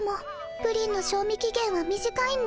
プリンの賞味期限は短いんです。